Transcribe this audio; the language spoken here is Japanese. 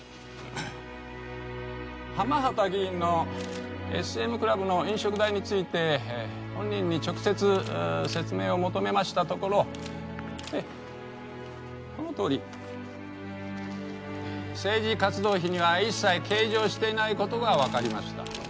浜畑議員のＳＭクラブの飲食代について本人に直接説明を求めましたところこのとおり政治活動費には一切計上していない事がわかりました。